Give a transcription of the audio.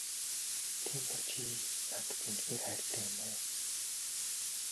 Тийм бол чи надад үнэхээр хайртай юм уу?